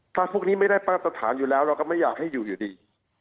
ถ้าพวกนี้ไม่ได้มาตรฐานอยู่แล้วเราก็ไม่อยากให้อยู่อยู่ดี